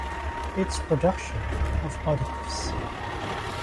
Its production of "Oedipus".